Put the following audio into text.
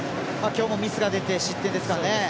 今日もミスが出て失点ですからね。